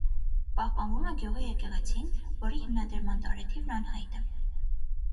Պահպանվում է գյուղի եկեղեցին, որի հիմնադրման տարեթիվն անհայտ է։